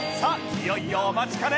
いよいよお待ちかね！